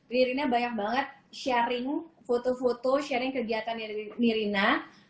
mirina banyak banget sharing foto foto sharing kegiatan mirina